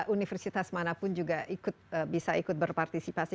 universitas mana pun juga ikut bisa ikut berpartisipasi